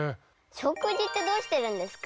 食事ってどうしてるんですか？